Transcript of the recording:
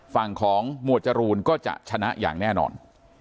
ฝั่งของหมวดจรูนก็จะชนะอย่างแน่นอน